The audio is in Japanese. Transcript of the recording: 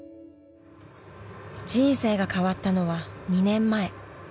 ［人生が変わったのは２年前］